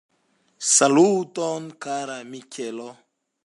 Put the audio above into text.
Saluton kara Mikelo!